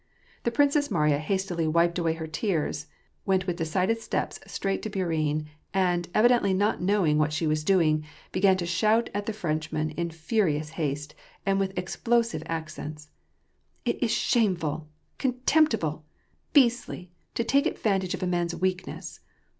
The Princess Mariya hastily wiped away her tears, went with decided steps straight to Bourienne, and, evi dently not knowing what she was doing, began to shout at the Frenchwoman in furious haste, and with explosive accents :" It is shameful, contemptible, beastly, to take advantage of a man's weakness."